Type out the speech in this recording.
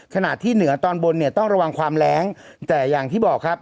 ขณะที่เหนือตอนบนเนี่ยต้องระวังความแรงแต่อย่างที่บอกครับ